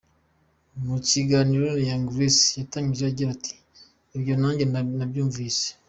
Mu kiganiro na Young Grace yatangiye agira ati: “Ibyo nanjye nabyumvise.